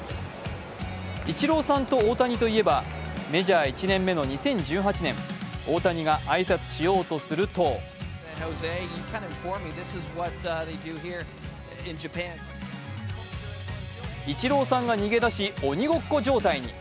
イチローさんと大谷といえばメジャー１年目の２０１８年大谷が挨拶しようとするとイチローさんが逃げ出し、鬼ごっこ状態に。